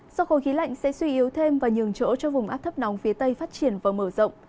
do khối khí lạnh sẽ suy yếu thêm và nhường chỗ cho vùng áp thấp nóng phía tây phát triển và mở rộng